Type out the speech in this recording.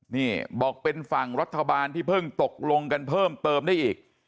นี่บอกเป็นฝั่งรัฐบาลที่เพิ่งตกลงกันเพิ่มเติมได้อีก